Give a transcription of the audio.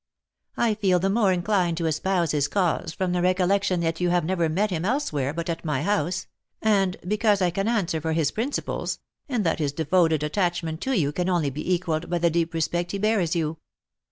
I feel the more inclined to espouse his cause from the recollection that you have never met him elsewhere but at my house, and because I can answer for his principles, and that his devoted attachment to you can only be equalled by the deep respect he bears you."